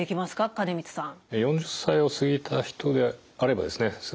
金光さん。